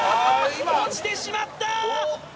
落ちてしまったー！